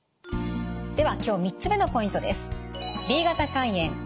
では今日３つ目のポイントです。